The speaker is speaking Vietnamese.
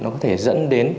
có thể dẫn đến